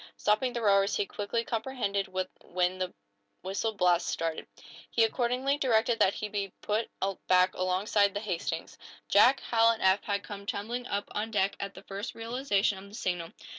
Stopping the rowers, he quickly comprehended when the whistle blasts started. He accordingly directed that he be put back alongside the "Hastings." Jack, Hal and Eph had come tumbling up on deck at the first realization of the signal.